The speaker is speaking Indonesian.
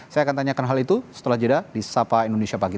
saya akan tanyakan hal itu setelah jeda di sapa indonesia pagi